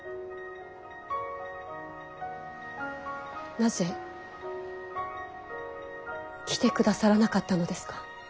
なぜ来てくださらなかったのですか？